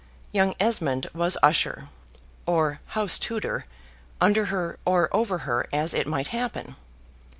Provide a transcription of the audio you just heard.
Young Esmond was usher, or house tutor, under her or over her, as it might happen.